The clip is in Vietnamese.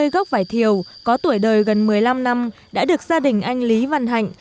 hai mươi gốc vải thiều có tuổi đời gần một mươi năm năm đã được gia đình anh lý văn hạnh